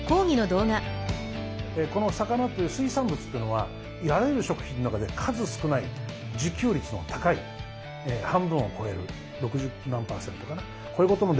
この魚という水産物というのはあらゆる食品の中で数少ない自給率の高い半分を超える６０何％かなこういうこともできる食料ですので。